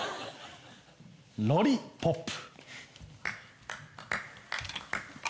ロリポップ。